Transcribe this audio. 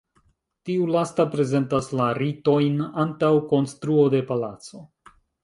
Tiu lasta prezentas la ritojn antaŭ konstruo de palaco.